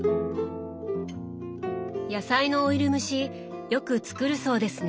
野菜のオイル蒸しよく作るそうですね。